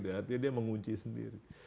artinya dia mengunci sendiri